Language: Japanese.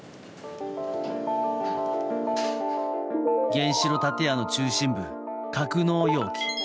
原子炉建屋の中心部格納容器。